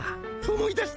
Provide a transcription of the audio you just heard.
思い出した？